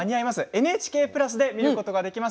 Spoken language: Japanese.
ＮＨＫプラスで見ることができます。